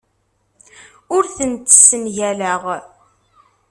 Ur tent-ssengaleɣ.